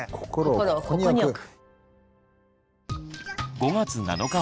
心をここに置く。